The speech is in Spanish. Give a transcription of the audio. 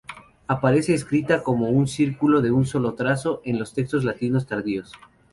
Aparece escrita como un círculo, de un solo trazo, en los textos latinos tardíos.